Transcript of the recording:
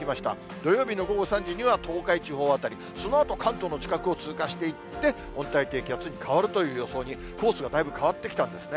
土曜日の午後３時には、東海地方辺り、そのあと関東の近くを通過していって、温帯低気圧に変わるという予想に、コースがだいぶ変わってきたんですね。